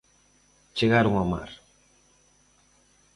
Chegaron ó mar.